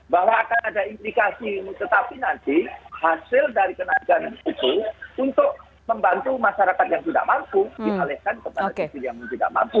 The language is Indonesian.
bahwa akan ada indikasi tetapi nanti hasil dari kenangan itu untuk membantu masyarakat yang tidak mampu dihaleskan kepada subsidi yang tidak mampu